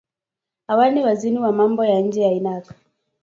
Awali waziri wa mambo ya nje wa Iraq